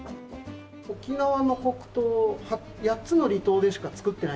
沖縄の黒糖８つの離島でしか作ってないんですね